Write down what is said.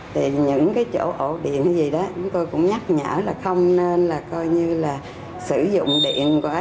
thì những cái chỗ ổ điện hay gì đó tôi cũng nhắc nhở là không nên là coi như là sử dụng điện quá dài